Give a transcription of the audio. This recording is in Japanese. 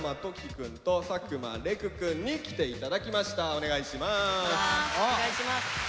お願いします。